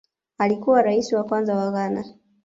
Alikuwa Rais wa kwanza wa Ghana